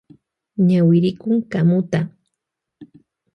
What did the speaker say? Ñawirikun kamuta.